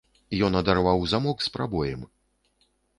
Ён адарваў замок з прабоем.